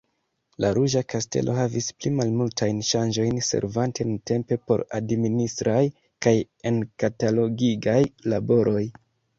La Ruĝa Kastelo havis pli malmultajn ŝanĝojn servante nuntempe por admininistraj kaj enkatalogigaj laboroj.